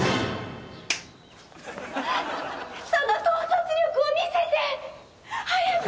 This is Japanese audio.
・その統率力を見せて！早く！